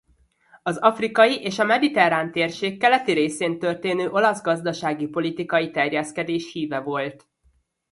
Az afrikai és a mediterrán térség keleti részén történő olasz gazdasági-politikai terjeszkedés híve volt.